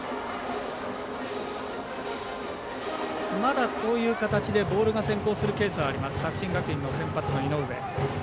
まだ、こういう形でボールが先行するケースがある作新学院先発の井上。